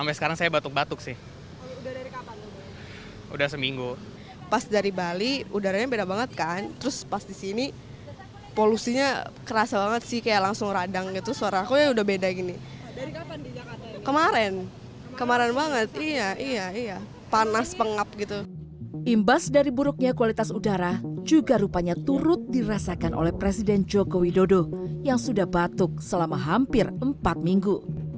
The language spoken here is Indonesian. imbas dari buruknya kualitas udara juga rupanya turut dirasakan oleh presiden jokowi dodo yang sudah batuk selama hampir empat minggu